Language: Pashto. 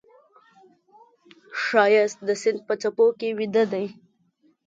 ښایست د سیند په څپو کې ویده دی